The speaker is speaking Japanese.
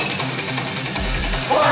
おい！